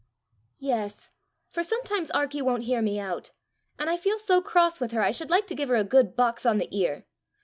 "Yes for sometimes Arkie won't hear me out, and I feel so cross with her I should like to give her a good box on the ear.